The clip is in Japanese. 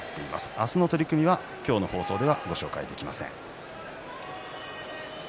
明日の取組は今日の放送ではご紹介できません。